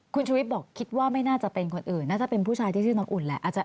คุณชุวิตบอกคิดว่าไม่น่าจะเป็นคนอื่นน่าจะเป็นผู้ชายที่ชื่อน้ำอุ่นแหละ